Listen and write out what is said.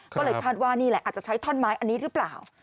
ก็เลยคาดว่าอาจจะใช้ถ้อนไม้อันนี้รึเปล่า